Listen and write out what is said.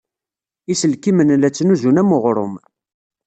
Iselkimen la ttnuzun am weɣrum.